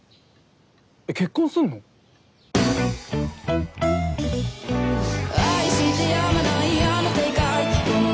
えっ結婚すんの⁉ごめん